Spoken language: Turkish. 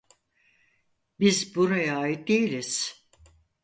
Biz buraya ait değiliz.